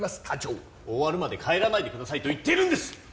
課長「終わるまで帰らないでください」と言っているんです！